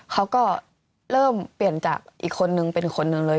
เขาก็เริ่มเปลี่ยนจากอีกคนนึงเป็นคนหนึ่งเลย